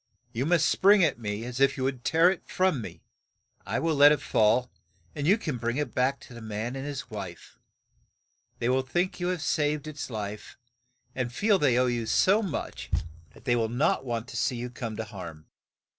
You must spring at me as if you would tear it from me, and I will let it fall, and you can bring it back to the man and his wife. They will think you have saved its life, and feel they owe you so much that they will not want to see you come to harm."